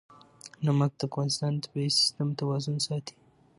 نمک د افغانستان د طبعي سیسټم توازن ساتي.